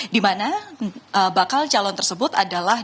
di mana bakal calon tersebut adalah